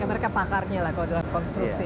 ya mereka pakarnya lah kalau dalam konstruksi ya